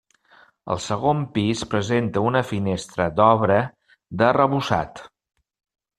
El segon pis presenta una finestra d'obra d'arrebossat.